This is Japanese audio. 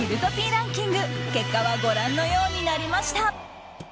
ランキング結果はご覧のようになりました。